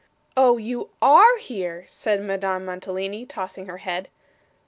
'Oh, you ARE here,' said Madame Mantalini, tossing her head.